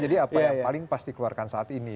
jadi apa yang paling pasti dikeluarkan saat ini